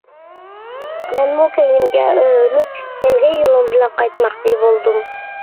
مەنمۇ كەينىمگە ئۆرۈلۈپ كەلگەن يولۇم بىلەن قايتماقچى بولدۇم.